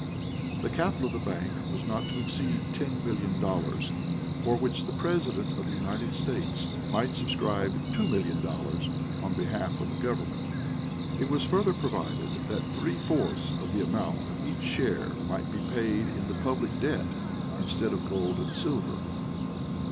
The capital of the bank was not to exceed $10,000,000, for which the President of the United States might subscribe $2,000,000 on behalf of the government. It was further provided that three fourths of the amount of each share might be paid in the public debt instead of gold and silver.